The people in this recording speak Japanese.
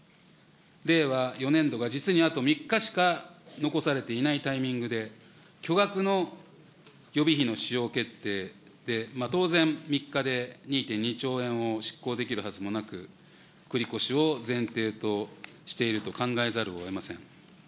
令和４年度が実にあと３日しか残されていないタイミングで、巨額の予備費の使用決定で、当然、３日で２．２兆円を執行できるはずもなく、繰り越しを前提としていると考えざるをえません。